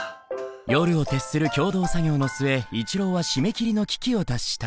夜を徹する共同作業の末一郎は締め切りの危機を脱した。